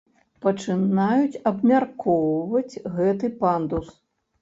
Пачынаюць абмяркоўваць гэты пандус.